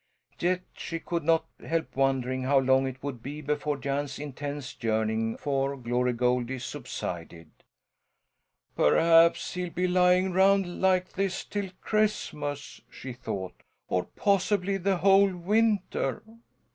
Yet she could not help wondering how long it would be before Jan's intense yearning for Glory Goldie subsided. "Perhaps he'll be lying round like this till Christmas!" she thought. "Or possibly the whole winter?"